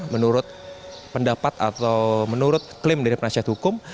menurut pendapat atau menurut klaim dari penasihat hukum